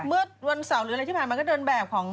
เมื่อวันเสาร์หรืออะไรที่ผ่านมาก็เดินแบบของ